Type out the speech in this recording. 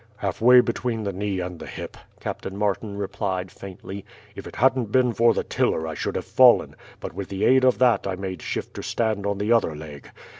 "Halfway between the knee and the hip," Captain Martin replied faintly. "If it hadn't been for the tiller I should have fallen, but with the aid of that I made shift to stand on the other leg.